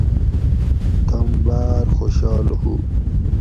تم باۤر خوشال ہُو